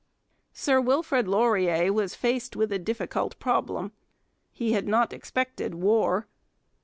Sir Wilfrid Laurier was faced with a difficult problem. He had not expected war.